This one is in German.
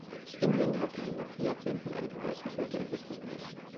Indien hat in den letzten Jahrzehnten eine bemerkenswerte Entwicklung genommen.